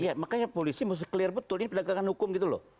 ya makanya polisi mesti clear betul ini penegakan hukum gitu loh